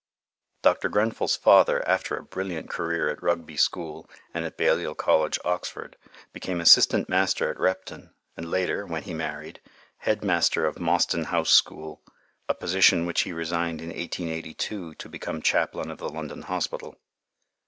Dr. Grenfell's father, after a brilliant career at Rugby School and at Balliol College, Oxford, became assistant master at Repton, and later, when he married, head master of Mostyn House School, a position which he resigned in 1882 to become Chaplain of the London Hospital.